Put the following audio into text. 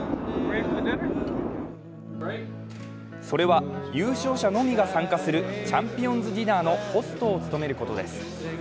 それは、優勝者のみが参加するチャンピオンズディナーのホストを務めることです。